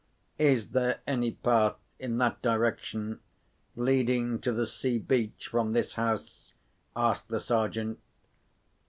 "Is there any path, in that direction, leading to the sea beach from this house?" asked the Sergeant.